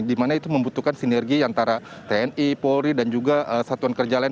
di mana itu membutuhkan sinergi antara tni polri dan juga satuan kerja lain